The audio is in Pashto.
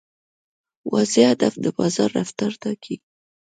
واضح هدف د بازار رفتار ټاکي.